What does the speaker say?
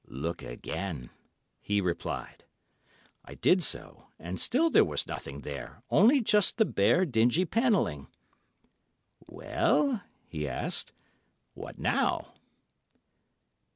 "Look again," he replied. I did so, but still there was nothing there, only just the bare, dingy panelling. "Well," he asked, "what now?"